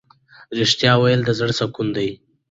ریښتیا ویل د زړه سکون دی.